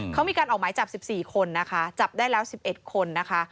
เขามีการออกไม้จับสิบสี่คนนะคะจับได้แล้วสิบเอ็ดคนนะคะ